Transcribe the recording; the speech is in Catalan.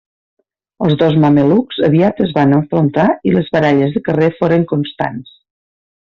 Els dos mamelucs aviat es van enfrontar i les baralles de carrer foren constants.